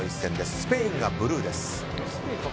スペインがブルーです。